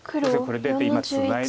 これ出て今ツナいで